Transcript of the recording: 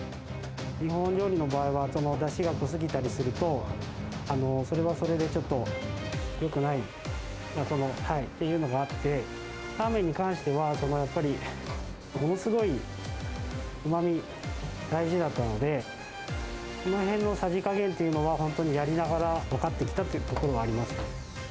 日本料理の場合は、だしが濃すぎたりすると、それはそれでちょっとよくないというのがあって、ラーメンに関しては、やっぱりものすごい、うまみ、大事だったので、そのへんのさじ加減というのは、本当にやりながら分かってきたっていうところもありますね。